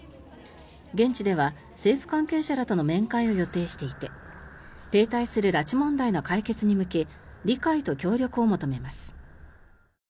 現地では政府関係者らとの面会を予定していて停滞する拉致問題の解決に向け理解と協力を求めます。